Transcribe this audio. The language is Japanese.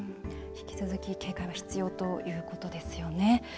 引き続き警戒は必要ということですよね。